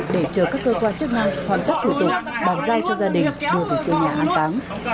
để chờ các cơ quan chức năng hoàn tất thủ tục bàn giao cho gia đình đưa về tiệm nhà hành táng